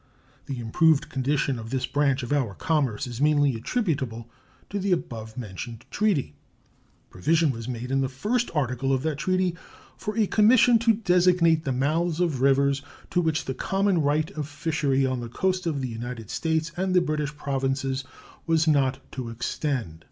The improved condition of this branch of our commerce is mainly attributable to the above mentioned treaty. Provision was made in the first article of that treaty for a commission to designate the mouths of rivers to which the common right of fishery on the coast of the United States and the British Provinces was not to extend.